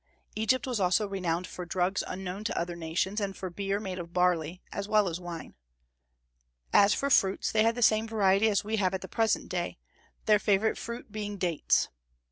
Egypt was also renowned for drugs unknown to other nations, and for beer made of barley, as well as wine. As for fruits, they had the same variety as we have at the present day, their favorite fruit being dates.